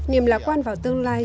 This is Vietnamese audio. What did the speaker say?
niềm lạc quan vào tương lai